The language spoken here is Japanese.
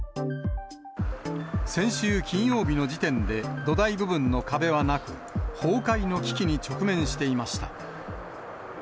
先週金曜日の時点で、土台部分の壁はなく、崩壊の危機に直面していました。